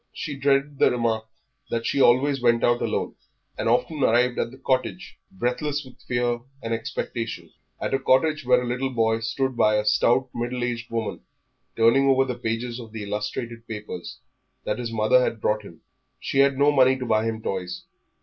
She dreaded the remark that she always went out alone, and often arrived at the cottage breathless with fear and expectation at a cottage where a little boy stood by a stout middle aged woman, turning over the pages of the illustrated papers that his mother had brought him; she had no money to buy him toys.